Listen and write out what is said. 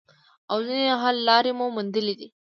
او ځینې حل لارې مو موندلي دي